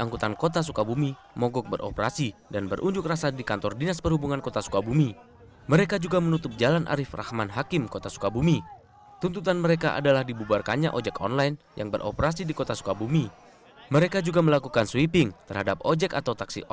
kepolisian polres sukabumi kota